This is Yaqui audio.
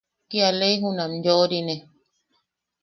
Kia lei junam yoʼorine.